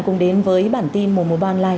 cùng đến với bản tin mùa mùa bàn lai